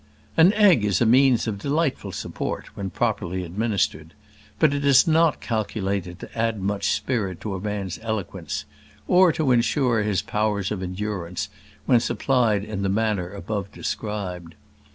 An egg is a means of delightful support when properly administered; but it is not calculated to add much spirit to a man's eloquence, or to ensure his powers of endurance, when supplied in the manner above described.